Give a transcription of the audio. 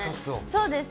そうです。